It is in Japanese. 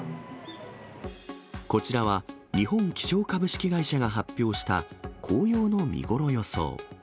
こちらは、日本気象株式会社が発表した、紅葉の見頃予想。